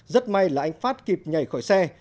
rất may là anh phát kịp nhảy khỏi xe